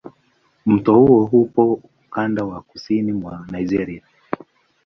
Mto huo upo ukanda wa kusini mwa Nigeria.